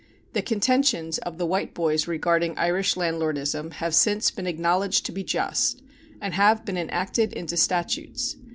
The contentions of the Whiteboys regarding Irish landlordism have since been acknowledged to be just, and have been enacted into statutes.